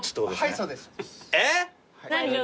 はいそうです。えっ！